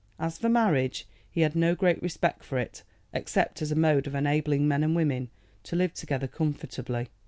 As for marriage, he had no great respect for it, except as a mode of enabling men and women to live together comfortably.